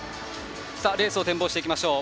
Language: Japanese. レースを展望していきましょう。